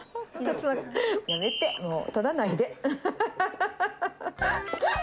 やめて、もう撮らないで。